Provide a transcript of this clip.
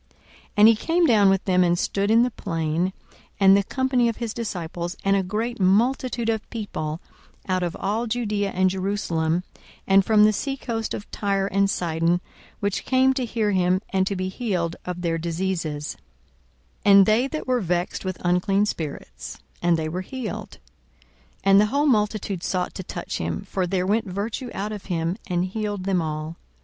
42:006:017 And he came down with them, and stood in the plain, and the company of his disciples, and a great multitude of people out of all Judaea and Jerusalem, and from the sea coast of Tyre and Sidon, which came to hear him, and to be healed of their diseases; 42:006:018 And they that were vexed with unclean spirits: and they were healed. 42:006:019 And the whole multitude sought to touch him: for there went virtue out of him, and healed them all.